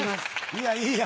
いやいや。